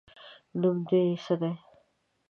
نوم دې څه ده؟